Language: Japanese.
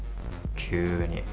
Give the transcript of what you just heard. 急に。